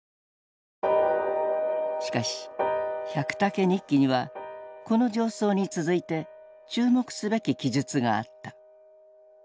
しかし「百武日記」にはこの上奏に続いて注目すべき記述があった。